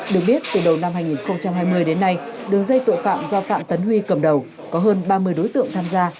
được biết từ đầu năm hai nghìn hai mươi đến nay đường dây tội phạm do phạm tấn huy cầm đầu có hơn ba mươi đối tượng tham gia